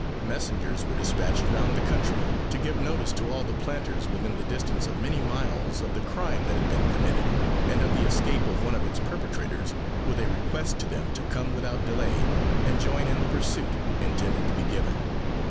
Messengers were despatched round the country, to give notice to all the planters, within the distance of many miles, of the crime that had been committed, and of the escape of one of its perpetrators, with a request to them to come without delay, and join in the pursuit, intended to be given.